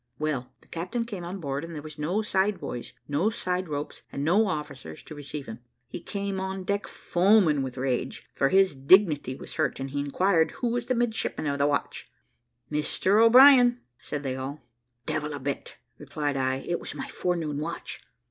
Well, the captain came on board, and there were no side boys, no side ropes, and no officers to receive him, he came on deck foaming with rage, for his dignity was hurt, and he inquired who was the midshipman of the watch. `Mr O'Brien,' said they all. `Devil a bit,' replied I, `it was my forenoon watch.'